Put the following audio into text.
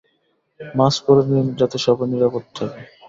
Mask পড়ে নিন যাতে সবাই নিরাপদ থাকে।